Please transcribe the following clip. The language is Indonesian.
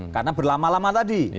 karena berlama lama tadi